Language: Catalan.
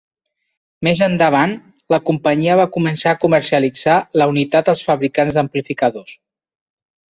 Més endavant, la companyia va començar a comercialitzar la unitat als fabricants d'amplificadors.